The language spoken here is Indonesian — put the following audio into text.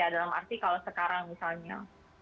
dalam arti kalau sekarang misalnya